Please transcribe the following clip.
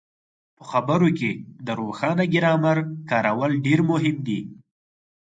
په خبرو کې د روښانه ګرامر کارول ډېر مهم دي.